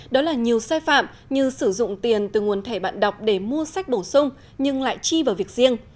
đó là nhiều sai phạm như sử dụng tiền từ nguồn thẻ bạn đọc để mua sách bổ sung nhưng lại chi vào việc riêng